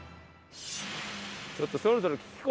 ちょっとそろそろ聞き込みがね